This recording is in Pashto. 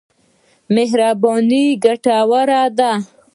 مهرباني ګټوره ده.